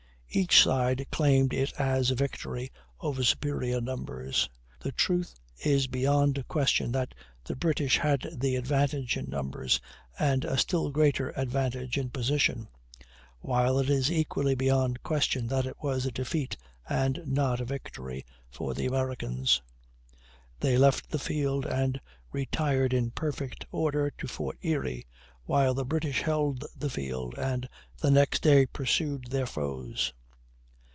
Each side claimed it as a victory over superior numbers. The truth is beyond question that the British had the advantage in numbers, and a still greater advantage in position; while it is equally beyond question that it was a defeat and not a victory for the Americans. They left the field and retired in perfect order to Fort Erie, while the British held the field and the next day pursued their foes.